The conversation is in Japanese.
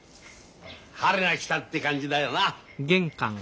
春が来たって感じだよな。